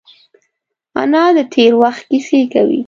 انا د تېر وخت کیسې کوي